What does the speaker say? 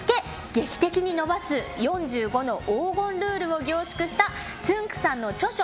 劇的に伸ばす４５の黄金ルールを凝縮したつんく♂さんの著書